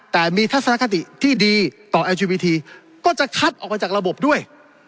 แต่มีทัศนคติที่ดีต่อเอลทีวีทีก็จะคัดออกมาจากระบบด้วย